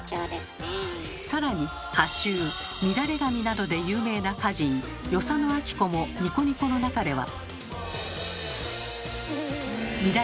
更に歌集「みだれ髪」などで有名な歌人与謝野晶子も「ニコニコ」の中では。